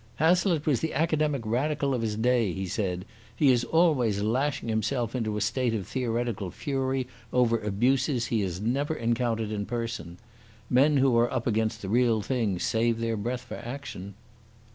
"Hazlitt was the academic Radical of his day," he said. "He is always lashing himself into a state of theoretical fury over abuses he has never encountered in person. Men who are up against the real thing save their breath for action."